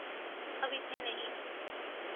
اب اتنے نہیں۔